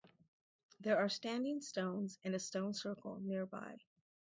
There are standing stones and a stone circle nearby.